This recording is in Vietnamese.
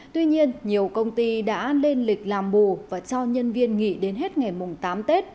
tuy nhiên nhiều công ty đã lên lịch làm bù và cho nhân viên nghỉ đến hết ngày mùng tám tết